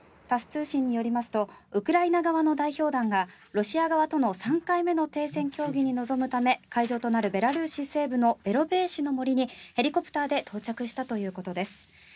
タス通信によりますとウクライナ側の代表団がロシア側との３回目の停戦協議に臨むため会場となるベラルーシ西部のベロベーシの森にヘリコプターで到着したということです。